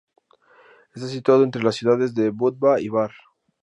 Está situado entre las ciudades de Budva y Bar.